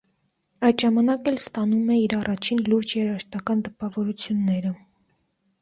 Այդ ժամանակ էլ ստանում է իր առաջին լուրջ երաժշտական տպավորությունները։